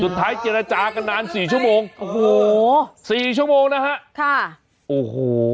เจรจากันนานสี่ชั่วโมงโอ้โหสี่ชั่วโมงนะฮะค่ะโอ้โห